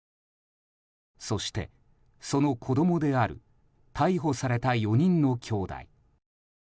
そして、その子供である逮捕された４人のきょうだい。